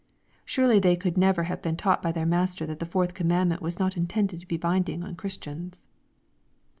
Surely they could never have been taught by their Master that the fourth command ment was not intended to be binding on Christians.